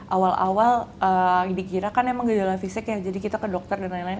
awal awal dikira kan emang gejala fisik ya jadi kita ke dokter dan lain lain